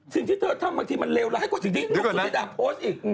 สิ่งที่เธอทำบางทีมันเลวร้ายกว่าสิ่งที่ลูกสุธิดาโพสต์อีก